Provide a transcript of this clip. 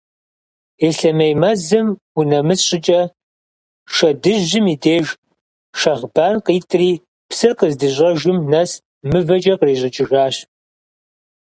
Ислъэмей мэзым унэмыс щӀыкӀэ, Шэдыжьым и деж, Шэхьбан къитӀри, псыр къыздыщӀэжым нэс мывэкӀэ кърищӀыкӀыжащ.